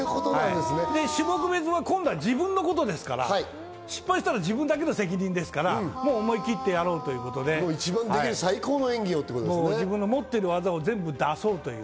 種目別は今度は自分のことですから、失敗したら自分だけの責任ですから、もう思い切ってやろうということで、自分が持っている技を全部出そうという。